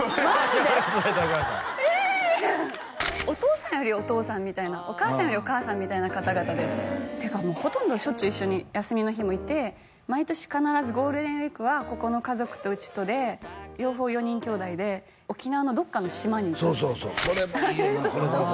お父さんよりお父さんみたいなお母さんよりお母さんみたいな方々ですてかほとんどしょっちゅう一緒に休みの日もいて毎年必ずゴールデンウイークはここの家族とうちとで両方４人きょうだいで沖縄のどっかの島に行くそうそうそうそれもいいよな